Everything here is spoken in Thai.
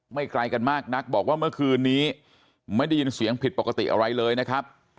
ไกลกันมากนักบอกว่าเมื่อคืนนี้ไม่ได้ยินเสียงผิดปกติอะไรเลยนะครับ